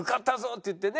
っていってね